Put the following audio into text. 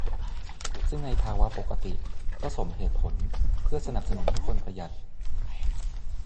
ซึ่งในภาวะปกติก็สมเหตุผลเพื่อสนับสนุนให้คนประหยัด